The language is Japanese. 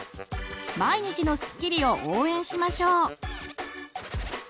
毎日のすっきりを応援しましょう！